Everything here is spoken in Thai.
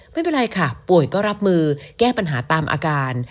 ไม่เป็นไรค่ะป่วยก็รับมือแก้ปัญหาตามอาการ